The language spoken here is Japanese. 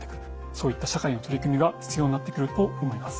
そういった社会の取り組みが必要になってくると思います。